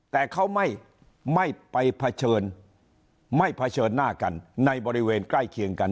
แต่เขาไม่ไปเผชิญไม่เผชิญหน้ากันในบริเวณใกล้เคียงกัน